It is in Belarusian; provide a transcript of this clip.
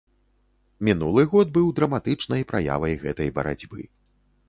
Мінулы год быў драматычнай праявай гэтай барацьбы.